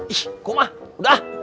ih kumah udah